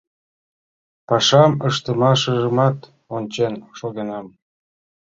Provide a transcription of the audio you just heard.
Пашам ыштымыжымат ончен шогенам.